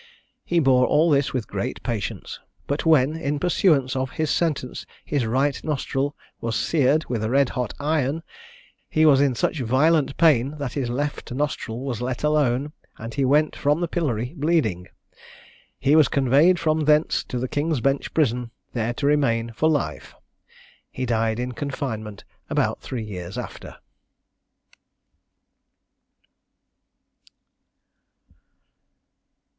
He bore all this with great patience; but when, in pursuance of his sentence, his right nostril was seared with a red hot iron, he was in such violent pain that his left nostril was let alone, and he went from the pillory bleeding. He was conveyed from thence to the King's Bench Prison, there to remain for life. He died in confinement about three years after."